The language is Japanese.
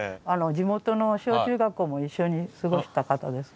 地元の小中学校も一緒に過ごした方です。